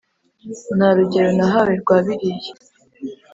Nta rugero nahawe rwa biriya